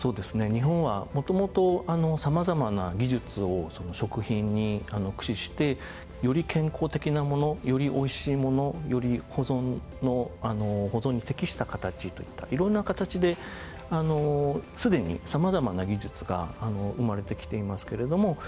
日本は元々様々な技術を食品に駆使してより健康的なものよりおいしいものより保存に適した形といったいろんな形ですでに様々な技術が生まれてきていますけれども。